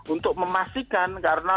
untuk memastikan bahwa buru migran itu aman